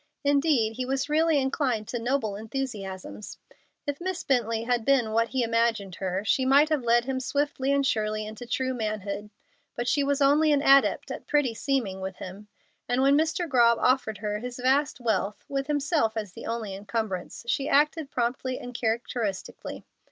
Indeed, he was really inclined to noble enthusiasms. If Miss Bently had been what he imagined her, she might have led him swiftly and surely into true manhood; but she was only an adept at pretty seeming with him, and when Mr. Grobb offered her his vast wealth, with himself as the only incumbrance, she acted promptly and characteristically.